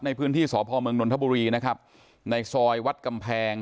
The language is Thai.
ในพื้นที่สพเมืองนนทบุรีนะครับในซอยวัดกำแพง